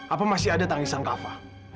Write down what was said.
apa masih ada tangisan kava